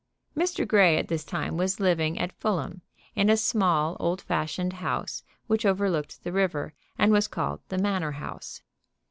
Mr. Grey at this time was living down at Fulham, in a small, old fashioned house which over looked the river, and was called the Manor house.